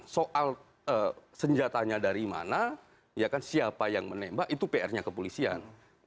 soal senjatanya dari mana siapa yang menembak itu pr nya kepolisian